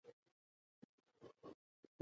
څپه د ګرامر لحاظه تعریف ده.